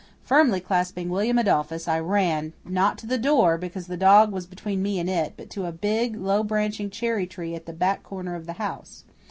Firmly clasping William Adolphus, I ran not to the door, because the dog was between me and it, but to a big, low branching cherry tree at the back corner of the house.